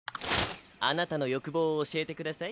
あなたの欲望を教えてください。